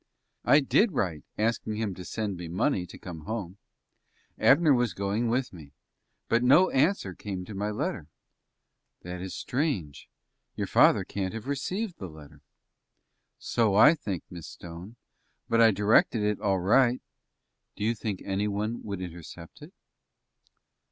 "I did write, asking him to send me money to come home. Abner was going with me. But no answer came to my letter." "That is strange. Your father can't have received the letter." "So I think, Miss Stone; but I directed it all right." "Do you think any one would intercept it?"